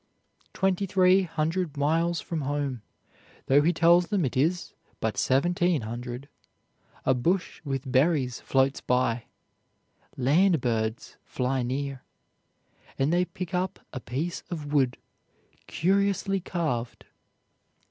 Twenty three hundred miles from home, though he tells them it is but seventeen hundred, a bush with berries floats by, land birds fly near, and they pick up a piece of wood curiously carved.